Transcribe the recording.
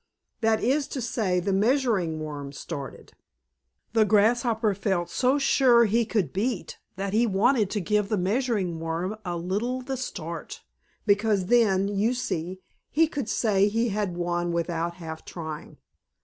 That is to say, the Measuring Worm started. The Grasshopper felt so sure he could beat that he wanted to give the Measuring Worm a little the start, because then, you see, he could say he had won without half trying.